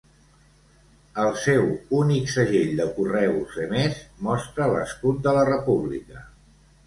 El seu únic segell de correus emès mostra l'escut de la república.